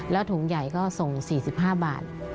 แล้วถุงใหญ่ก็ส่ง๔๕บาท